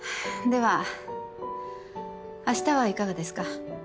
ではあしたはいかがですか？